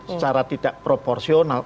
secara tidak proporsional